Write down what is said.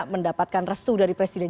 mendapatkan restu dari presiden